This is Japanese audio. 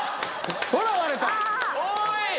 ほら割れたおい